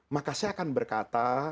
maka saya akan berkata